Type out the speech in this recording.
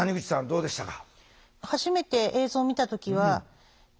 どうでしたか？